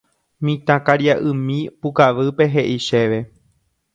Mitãkaria'ymi pukavýpe he'i chéve.